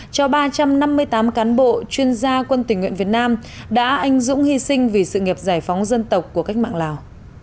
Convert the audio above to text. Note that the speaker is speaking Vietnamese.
cho ba trăm năm mươi tám cán bộ chuyên gia quân tình nguyện việt nam đã anh dũng hy sinh vì sự nghiệp giải phóng dân tộc của cách mạng lào